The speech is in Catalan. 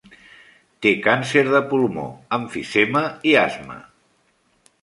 Té càncer pulmó, emfisema i asma.